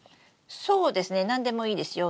そうですね何でもいいですよ。